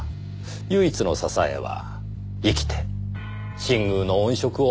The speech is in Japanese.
唯一の支えは生きて新宮の音色を守る事。